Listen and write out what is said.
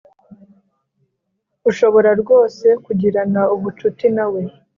Ushobora rwose kugirana ubucuti nawe